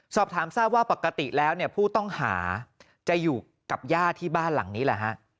สอบถามทราบว่าปกติแล้วเนี่ยผู้ต้องหาจะอยู่กับย่าที่บ้านหลังนี้แหละฮะ